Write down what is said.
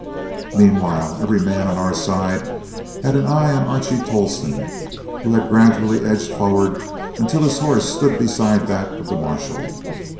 Meanwhile every man on our side had an eye on Archie Tolleston, who had gradually edged forward until his horse stood beside that of the marshal.